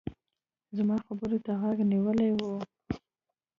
زما خبرو ته غوږ نيولی و.